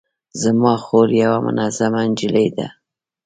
زما خور یوه منظمه نجلۍ ده